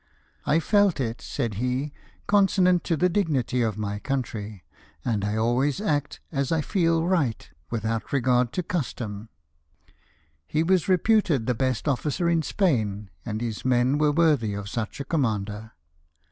" I felt it," said he, " consonant to the dignity of my country, and I always act as I feel right, without regard to custom ; he was reputed the 102 LIFE OF NELSON. best officer in Spain, and his men were worthy of such a commander."